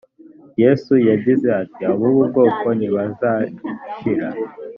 yesu yagize ati “ab’ubu bwoko ntibazashira”